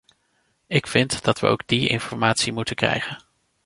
Ik vind dat we ook die informatie moeten krijgen.